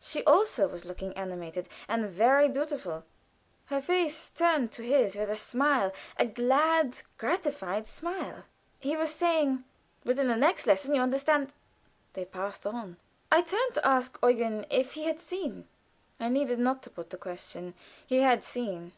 She also was looking animated and very beautiful; her face turned to his with a smile a glad, gratified smile. He was saying: "But in the next lesson, you know " They passed on. I turned to ask Eugen if he had seen. I needed not to put the question. He had seen.